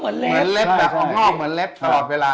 เหมือนเล็บแบบงองเหมือนเล็บตลอดเวลา